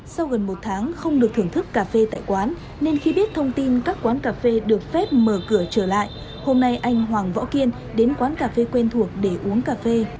sau gần một tháng không được thưởng thức cà phê tại quán nên khi biết thông tin các quán cà phê được phép mở cửa trở lại hôm nay anh hoàng võ kiên đến quán cà phê quen thuộc để uống cà phê